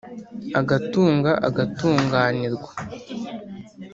Agatunga agatunganirwa